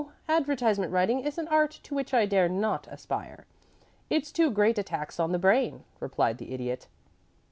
Advertisement writing is an art to which I dare not aspire. It's too great a tax on the brain," replied the Idiot.